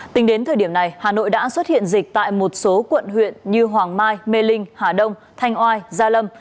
tính đến thời điểm này hà nội đã xuất hiện dịch tại một số quận huyện như hoàng mai mê linh hà đông thanh oai gia lâm